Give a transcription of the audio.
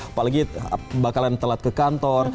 apalagi bakalan telat ke kantor